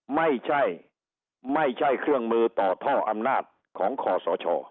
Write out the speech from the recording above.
ไม่ใช่ไม่ใช่เครื่องมือต่อท่ออำนาจของคอสช